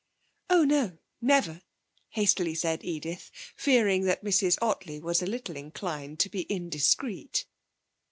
'Oh no, never,' hastily said Edith, fearing that Mrs Ottley was a little inclined to be indiscreet.